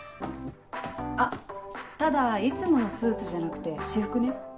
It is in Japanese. あっただいつものスーツじゃなくて私服ね。